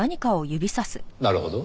なるほど。